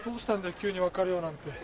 急に別れようなんて。